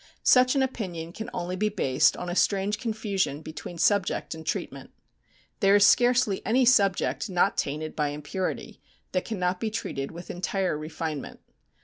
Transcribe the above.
Such an opinion can only be based on a strange confusion between subject and treatment. There is scarcely any subject not tainted by impurity, that cannot be treated with entire refinement.